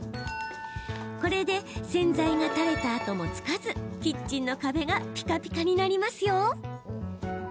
これで洗剤が垂れた跡もつかずキッチンの壁がピカピカになりますよ。